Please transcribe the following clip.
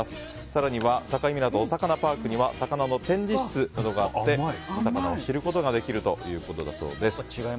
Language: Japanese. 更には境港おさかなパークには魚の展示室などがあってお魚を知ることができるということだそうです。